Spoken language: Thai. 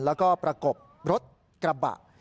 แล้วก็ประกบรถกระบะ